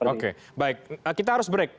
oke baik kita harus break